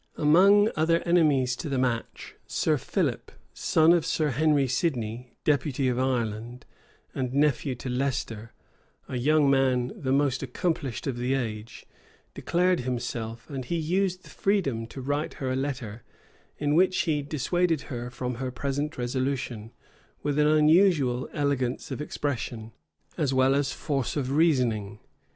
[*]* Camden, p. 486. Among other enemies to the match, Sir Philip, son of Sir Henry Sidney, deputy of Ireland, and nephew to Leicester, a young man the most accomplished of the age, declared himself: and he used the freedom to write her a letter, in which he dissuaded her from her present resolution, with an unusual elegance of expression, as well as force of reasoning.